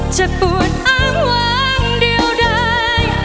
ปวดอ้างวางเดียวได้